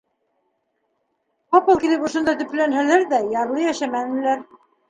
Ҡапыл килеп ошонда төпләнһәләр ҙә, ярлы йәшәмәнеләр.